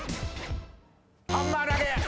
ハンマー投げ。